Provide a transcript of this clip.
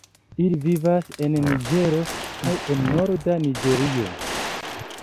Ili vivas en Niĝero kaj en norda Niĝerio.